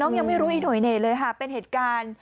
น้องยังไม่รู้อีโนโยเนะเลยกันเป็นเหตุการณ์